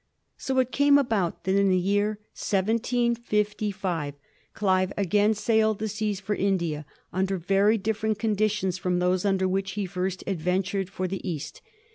So it came about that in the year 1766 Olive again sailed the seas for India, under very dif ferent conditions from those under which he first advent ured for the East.